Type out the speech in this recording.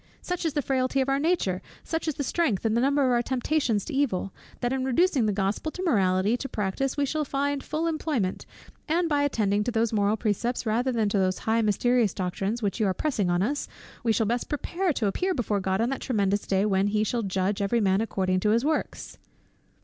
Such is the frailty of our nature, such the strength and number of our temptations to evil, that in reducing the Gospel morality to practice we shall find full employment: and by attending to these moral precepts, rather than to those high mysterious doctrines which you are pressing on us, we shall best prepare to appear before God on that tremendous day, when 'He shall judge every man according to his WORKS.'"